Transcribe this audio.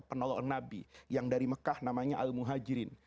penolong nabi yang dari mekah namanya al muhajirin